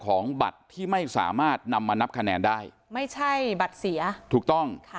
ของบัตรที่ไม่สามารถนำมานับคะแนนได้ไม่ใช่บัตรเสียถูกต้องค่ะ